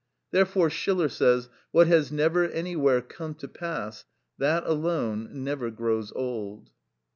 Therefore Schiller says:— "What has never anywhere come to pass, That alone never grows old."